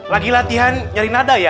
lagi latihan nyari nada ya